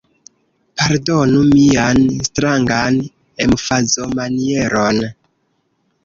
Pardonu mian strangan emfazomanieron.